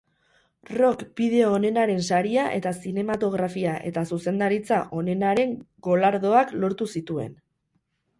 Rock bideo onenaren saria eta zinematografia eta zuzendaritza onenaren golardoak lortu zituen.